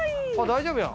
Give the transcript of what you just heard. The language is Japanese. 大丈夫や。